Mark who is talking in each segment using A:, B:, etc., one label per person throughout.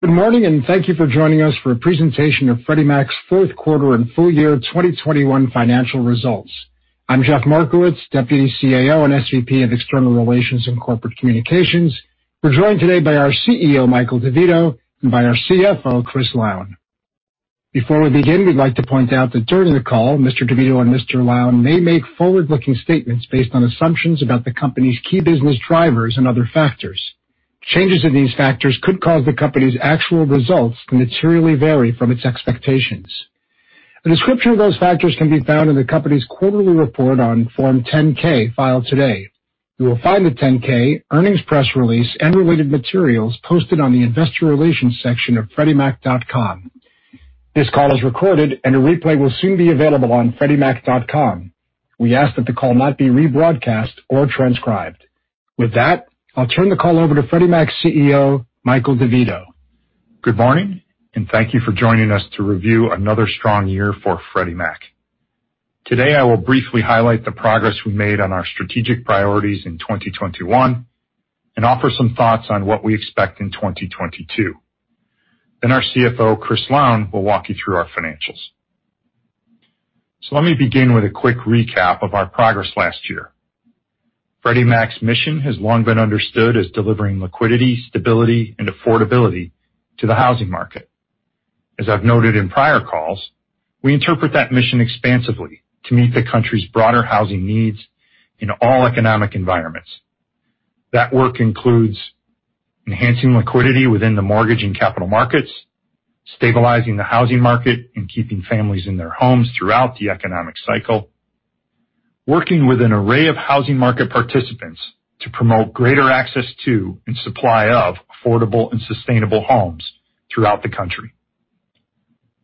A: Good morning, and thank you for joining us for a presentation of Freddie Mac's fourth quarter and full year twenty twenty-one financial results. I'm Jeff Markowitz, Deputy CAO and SVP of External Relations and Corporate Communications. We're joined today by our CEO, Michael De Vito, and by our CFO, Chris Lown. Before we begin, we'd like to point out that during the call, Mr. De Vito and Mr. Lown may make forward-looking statements based on assumptions about the company's key business drivers and other factors. Changes in these factors could cause the company's actual results to materially vary from its expectations. A description of those factors can be found in the company's quarterly report on Form 10-K filed today. You will find the 10-K, earnings press release, and related materials posted on the investor relations section of freddiemac.com. This call is recorded, and a replay will soon be available on freddiemac.com. We ask that the call not be rebroadcast or transcribed. With that, I'll turn the call over to Freddie Mac's CEO, Michael De Vito.
B: Good morning, and thank you for joining us to review another strong year for Freddie Mac. Today, I will briefly highlight the progress we made on our strategic priorities in twenty twenty-one and offer some thoughts on what we expect in twenty twenty-two. Then our CFO, Chris Lown, will walk you through our financials. So let me begin with a quick recap of our progress last year. Freddie Mac's mission has long been understood as delivering liquidity, stability, and affordability to the housing market. As I've noted in prior calls, we interpret that mission expansively to meet the country's broader housing needs in all economic environments. That work includes enhancing liquidity within the mortgage and capital markets, stabilizing the housing market, and keeping families in their homes throughout the economic cycle. Working with an array of housing market participants to promote greater access to and supply of affordable and sustainable homes throughout the country,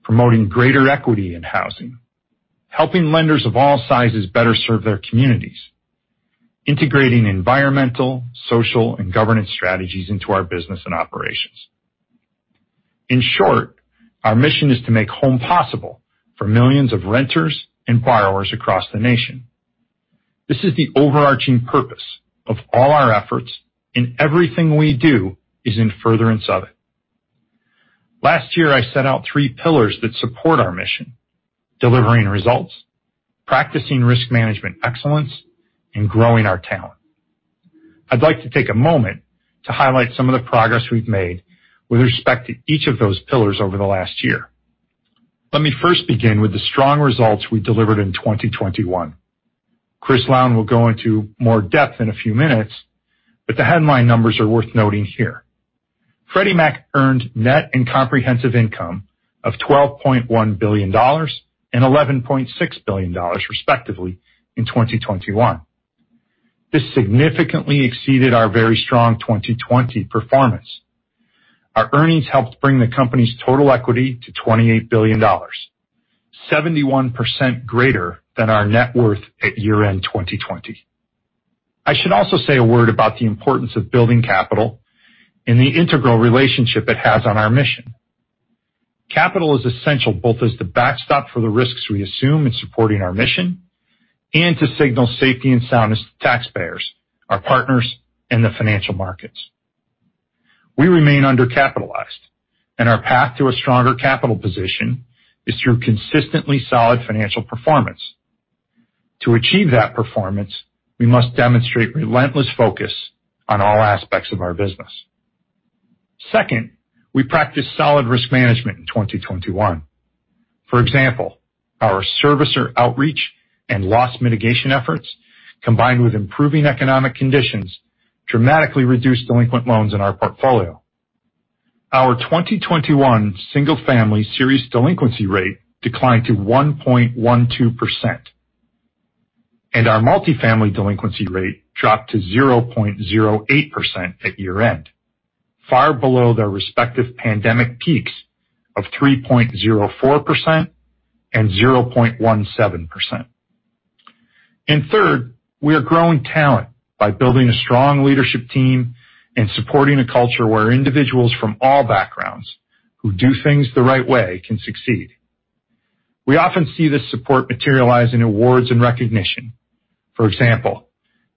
B: promoting greater equity in housing, helping lenders of all sizes better serve their communities, integrating environmental, social, and governance strategies into our business and operations. In short, our mission is to make home possible for millions of renters and borrowers across the nation. This is the overarching purpose of all our efforts, and everything we do is in furtherance of it. Last year, I set out three pillars that support our mission: delivering results, practicing risk management excellence, and growing our talent. I'd like to take a moment to highlight some of the progress we've made with respect to each of those pillars over the last year. Let me first begin with the strong results we delivered in twenty twenty-one. Chris Lown will go into more depth in a few minutes, but the headline numbers are worth noting here. Freddie Mac earned net and comprehensive income of $12.1 billion and $11.6 billion, respectively, in 2021. This significantly exceeded our very strong 2020 performance. Our earnings helped bring the company's total equity to $28 billion, 71% greater than our net worth at year-end 2020. I should also say a word about the importance of building capital and the integral relationship it has on our mission. Capital is essential, both as the backstop for the risks we assume in supporting our mission and to signal safety and soundness to taxpayers, our partners, and the financial markets. We remain undercapitalized, and our path to a stronger capital position is through consistently solid financial performance. To achieve that performance, we must demonstrate relentless focus on all aspects of our business. Second, we practiced solid risk management in 2021. For example, our servicer outreach and loss mitigation efforts, combined with improving economic conditions, dramatically reduced delinquent loans in our portfolio. Our 2021 single-family serious delinquency rate declined to 1.12%, and our multifamily delinquency rate dropped to 0.08% at year-end, far below their respective pandemic peaks of 3.04% and 0.17%. And third, we are growing talent by building a strong leadership team and supporting a culture where individuals from all backgrounds who do things the right way can succeed. We often see this support materialize in awards and recognition. For example,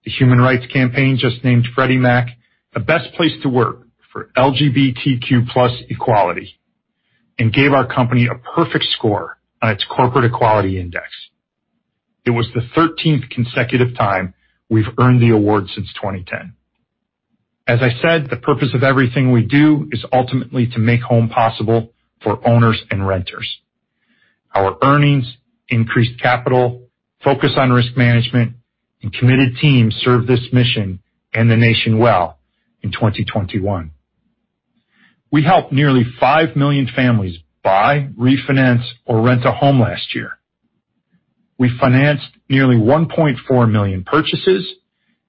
B: the Human Rights Campaign just named Freddie Mac the best place to work for LGBTQ plus equality and gave our company a perfect score on its Corporate Equality Index. It was the thirteenth consecutive time we've earned the award since 2010. As I said, the purpose of everything we do is ultimately to make home possible for owners and renters. Our earnings, increased capital, focus on risk management, and committed teams served this mission and the nation well in 2021. We helped nearly five million families buy, refinance, or rent a home last year. We financed nearly 1.4 million purchases,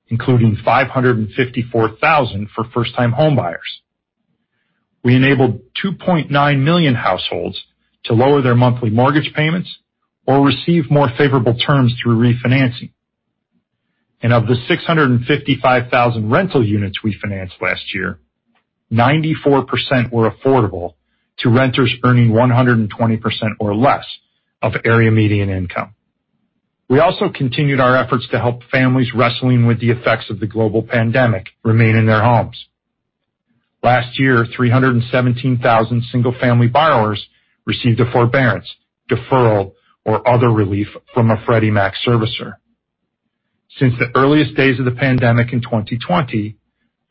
B: including 554,000 for first-time homebuyers. We enabled 2.9 million households to lower their monthly mortgage payments or receive more favorable terms through refinancing. Of the 655,000 rental units we financed last year, 94% were affordable to renters earning 120% or less of area median income. We also continued our efforts to help families wrestling with the effects of the global pandemic remain in their homes. Last year, 317,000 single-family borrowers received a forbearance, deferral, or other relief from a Freddie Mac servicer. Since the earliest days of the pandemic in 2020,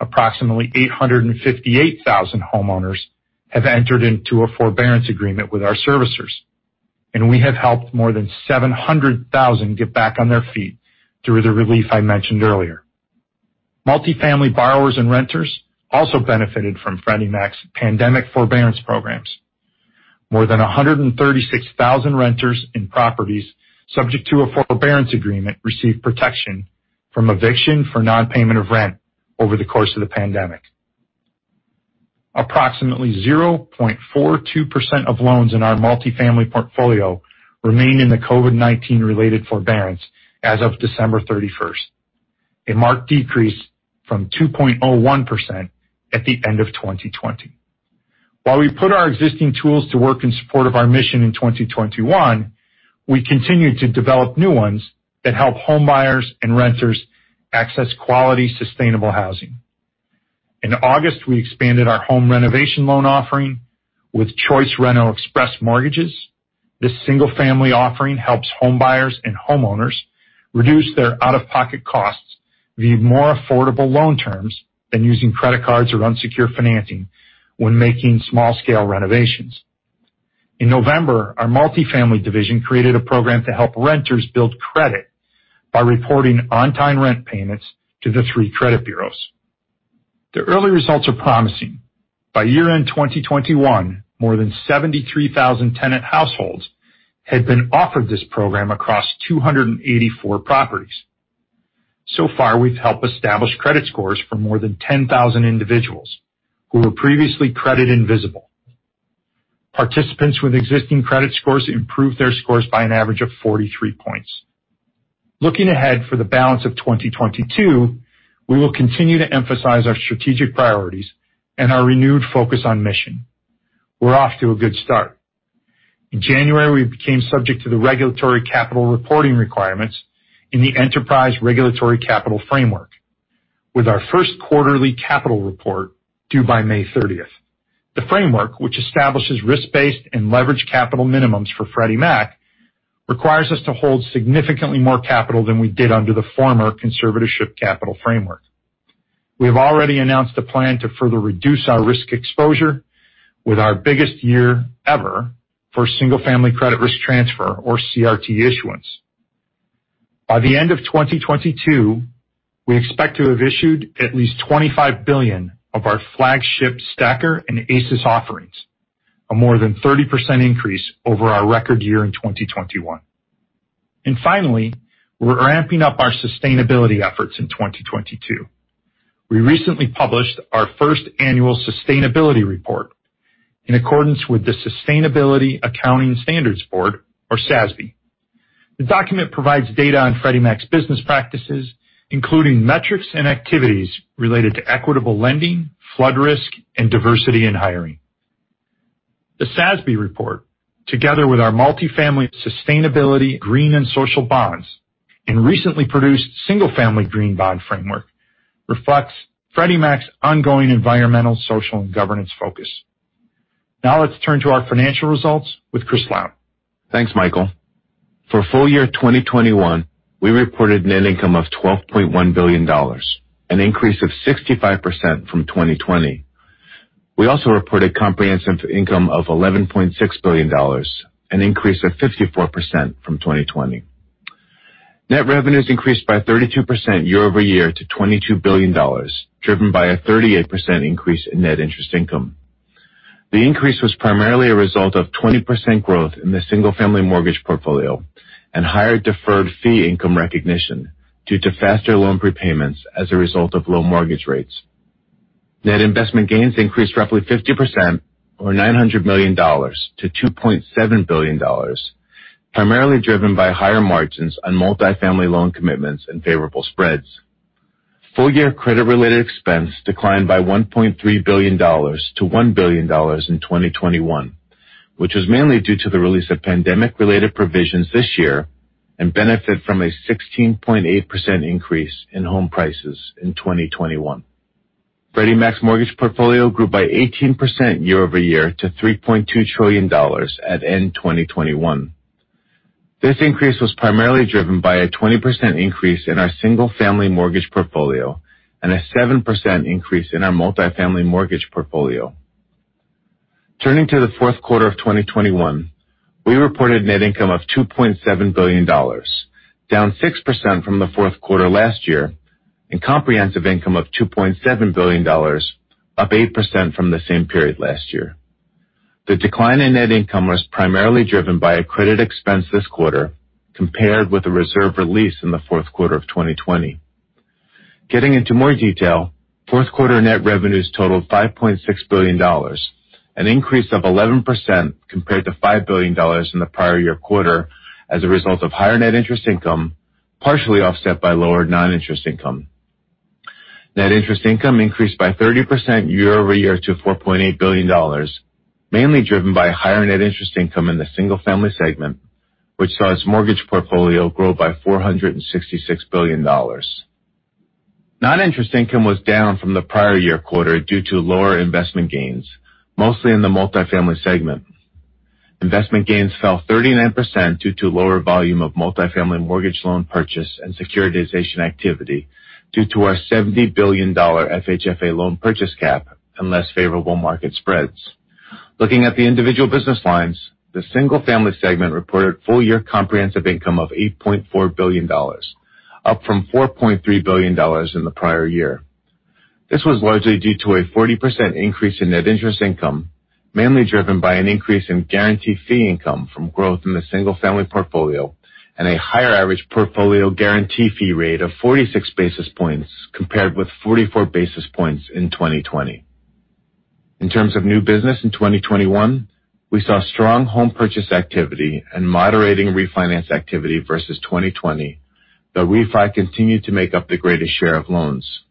B: approximately 858,000 homeowners have entered into a forbearance agreement with our servicers, and we have helped more than 700,000 get back on their feet through the relief I mentioned earlier. Multifamily borrowers and renters also benefited from Freddie Mac's pandemic forbearance programs. More than a hundred and thirty-six thousand renters in properties subject to a forbearance agreement received protection from eviction for non-payment of rent over the course of the pandemic. Approximately 0.42% of loans in our multifamily portfolio remained in the COVID-19 related forbearance as of December thirty-first, a marked decrease from 2.01% at the end of 2020. While we put our existing tools to work in support of our mission in 2021, we continued to develop new ones that help homebuyers and renters access quality, sustainable housing. In August, we expanded our home renovation loan offering with ChoiceRenovation Express Mortgages. This single-family offering helps homebuyers and homeowners reduce their out-of-pocket costs via more affordable loan terms than using credit cards or unsecured financing when making small-scale renovations. In November, our multifamily division created a program to help renters build credit by reporting on-time rent payments to the three credit bureaus. The early results are promising. By year-end 2021, more than 73,000 tenant households had been offered this program across 284 properties. So far, we've helped establish credit scores for more than 10,000 individuals who were previously credit invisible. Participants with existing credit scores improved their scores by an average of 43 points. Looking ahead for the balance of 2022, we will continue to emphasize our strategic priorities and our renewed focus on mission. We're off to a good start. In January, we became subject to the regulatory capital reporting requirements in the Enterprise Regulatory Capital Framework, with our first quarterly capital report due by May 30. The framework, which establishes risk-based and leverage capital minimums for Freddie Mac, requires us to hold significantly more capital than we did under the former conservatorship capital framework. We have already announced a plan to further reduce our risk exposure with our biggest year ever for single-family credit risk transfer or CRT issuance. By the end of 2022, we expect to have issued at least $25 billion of our flagship STACR and ACIS offerings, a more than 30% increase over our record year in 2021. And finally, we're ramping up our sustainability efforts in 2022. We recently published our first annual sustainability report in accordance with the Sustainability Accounting Standards Board, or SASB. The document provides data on Freddie Mac's business practices, including metrics and activities related to equitable lending, flood risk, and diversity in hiring. The SASB report, together with our multifamily sustainability green and social bonds and recently produced single-family green bond framework, reflects Freddie Mac's ongoing environmental, social, and governance focus. Now, let's turn to our financial results with Chris Lown.
C: Thanks, Michael. For full year 2021, we reported net income of $12.1 billion, an increase of 65% from 2020. We also reported comprehensive income of $11.6 billion, an increase of 54% from 2020. Net revenues increased by 32% year over year to $22 billion, driven by a 38% increase in net interest income. The increase was primarily a result of 20% growth in the single-family mortgage portfolio and higher deferred fee income recognition due to faster loan prepayments as a result of low mortgage rates. Net investment gains increased roughly 50% or $900 million to $2.7 billion, primarily driven by higher margins on multifamily loan commitments and favorable spreads. Full-year credit-related expense declined by $1.3 billion to $1 billion in 2021, which was mainly due to the release of pandemic-related provisions this year and benefit from a 16.8% increase in home prices in 2021. Freddie Mac's mortgage portfolio grew by 18% year over year to $3.2 trillion at end 2021. This increase was primarily driven by a 20% increase in our single-family mortgage portfolio and a 7% increase in our multifamily mortgage portfolio. Turning to the fourth quarter of 2021, we reported net income of $2.7 billion, down 6% from the fourth quarter last year, and comprehensive income of $2.7 billion, up 8% from the same period last year. The decline in net income was primarily driven by a credit expense this quarter compared with a reserve release in the fourth quarter of 2020. Getting into more detail, fourth quarter net revenues totaled $5.6 billion, an increase of 11% compared to $5 billion in the prior year quarter as a result of higher net interest income, partially offset by lower non-interest income. Net interest income increased by 30% year-over-year to $4.8 billion, mainly driven by higher net interest income in the single family segment, which saw its mortgage portfolio grow by $466 billion. Non-interest income was down from the prior year quarter due to lower investment gains, mostly in the multifamily segment. Investment gains fell 39% due to lower volume of multifamily mortgage loan purchase and securitization activity, due to our $70 billion FHFA loan purchase cap and less favorable market spreads. Looking at the individual business lines, the single-family segment reported full year comprehensive income of $8.4 billion, up from $4.3 billion in the prior year. This was largely due to a 40% increase in net interest income, mainly driven by an increase in guaranteed fee income from growth in the single family portfolio and a higher average portfolio guarantee fee rate of 46 basis points, compared with 44 basis points in 2020. In terms of new business in 2021, we saw strong home purchase activity and moderating refinance activity versus 2020, though refi continued to make up the greatest share of loans.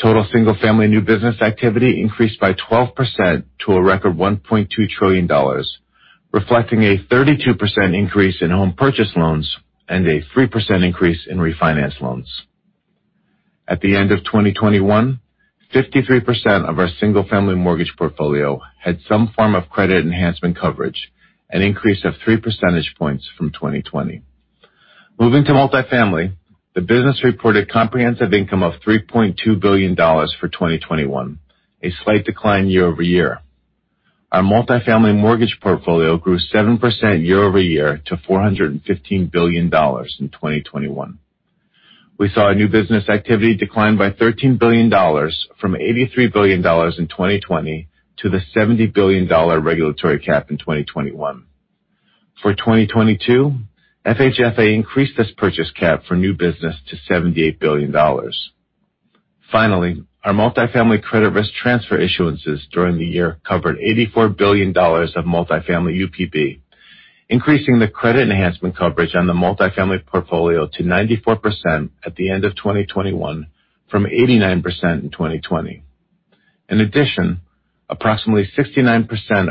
C: Total single-family new business activity increased by 12% to a record $1.2 trillion, reflecting a 32% increase in home purchase loans and a 3% increase in refinance loans. At the end of 2021, 53% of our single family mortgage portfolio had some form of credit enhancement coverage, an increase of three percentage points from 2020. Moving to multifamily, the business reported comprehensive income of $3.2 billion for 2021, a slight decline year over year. Our multifamily mortgage portfolio grew 7% year over year to $415 billion in 2021. We saw a new business activity decline by $13 billion from $83 billion in 2020 to the $70 billion regulatory cap in 2021. For 2022, FHFA increased this purchase cap for new business to $78 billion. Finally, our multifamily credit risk transfer issuances during the year covered $84 billion of multifamily UPP, increasing the credit enhancement coverage on the multifamily portfolio to 94% at the end of 2021, from 89% in 2020. In addition, approximately 69%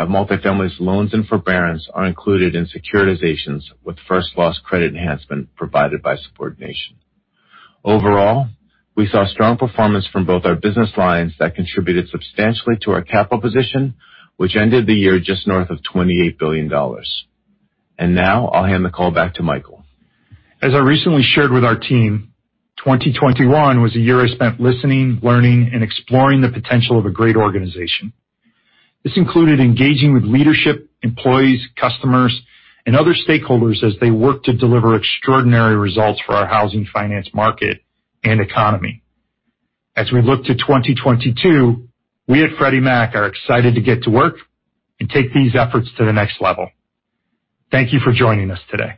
C: of multifamily's loans and forbearance are included in securitizations with first loss credit enhancement provided by subordination. Overall, we saw strong performance from both our business lines that contributed substantially to our capital position, which ended the year just north of $28 billion. And now I'll hand the call back to Michael.
B: As I recently shared with our team, 2021 was a year I spent listening, learning, and exploring the potential of a great organization. This included engaging with leadership, employees, customers, and other stakeholders as they work to deliver extraordinary results for our housing finance, market, and economy. As we look to 2022, we at Freddie Mac are excited to get to work and take these efforts to the next level. Thank you for joining us today.